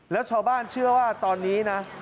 แล้วชาวบ้านเชื่อว่าตอนนี้นะ